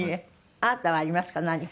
あなたはありますか？